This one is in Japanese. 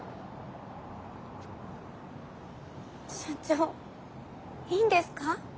社長いいんですか？